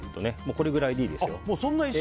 これぐらいでいいですよ。